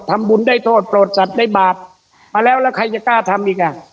ทำบุญได้โทษโปรดสัตว์ได้บาปมาแล้วแล้วใครจะกล้าทำอีกอ่ะ